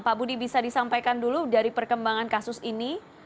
pak budi bisa disampaikan dulu dari perkembangan kasus ini